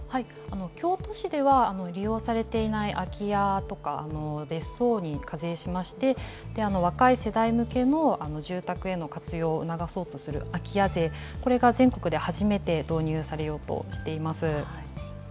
京都市では、利用されていない空き家とか、別荘に課税しまして、若い世代向けの住宅への活用を促そうとする空き家税、これが全国で初めて導入されようとしています。